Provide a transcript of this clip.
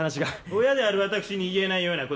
親である私に言えないようなことかな？